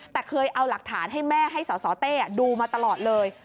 แต่เคยเอาหลักฐานให้แม่ให้สสเต้ดูมาตลอดเลย